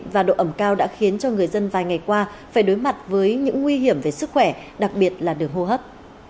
và độ ẩm cao đã khiến cho người dân vài ngày qua phải đối mặt với những nguy hiểm về sức khỏe đặc biệt là đường hô hấp